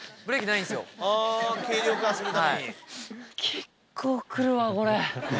結構くるわ、これ。